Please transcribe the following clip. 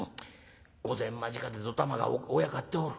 御前間近でどたまがおやかっておる。